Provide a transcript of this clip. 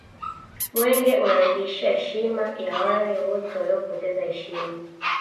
mwenge unarudisha heshima ya wale wote waliopoteza heshima